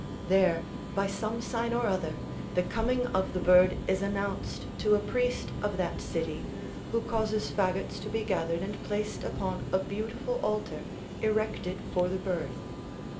There, by some sign or other, the coming of the bird is announced to a priest of that city, who causes fagots to be gathered and placed upon a beautiful altar, erected for the bird.